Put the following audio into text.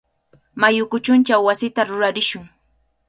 Mayu kuchunchaw wasita rurarishun.